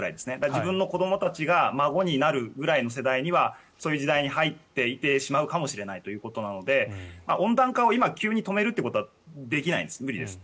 自分の子どもたちが孫になる世代にはそういう時代に入っていってしまうかもしれないということなので温暖化を今、急に止めることはできないです、無理です。